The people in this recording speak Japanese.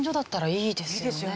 いいですよね。